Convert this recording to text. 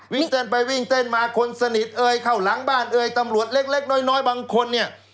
วิ่งเต้นไปวิ่งเต้นมาคนสนิทเอ่ยเข้าหลังบ้านเอ่ยตำรวจเล็กน้อยบางคนเนี่ย